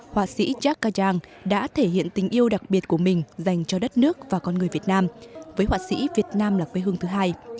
họa sĩ gia cang thuật giang đã thể hiện tình yêu đặc biệt của mình dành cho đất nước và con người việt nam với họa sĩ việt nam là quê hương thứ hai